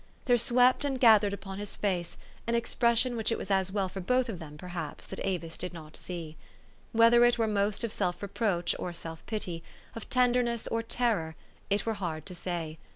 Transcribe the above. There swept and gathered upon his face an expression 308 THE STORY OF AVIS. which it was as well for both of them, perhaps, that Avis did not see. Whether it were most of self reproach or self pity, of tenderness or terror, it were hard to say.